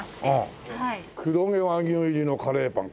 黒毛和牛入りのカレーパン